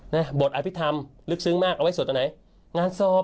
ดีฟังบทอภิกษ์ธรรมลึกซึ้งมากเอาไว้สดอันไหนงานศอบ